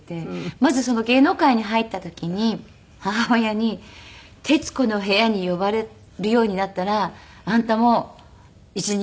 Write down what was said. まず芸能界に入った時に母親に「『徹子の部屋』に呼ばれるようになったらあんたも一人前だ」って言われたんです。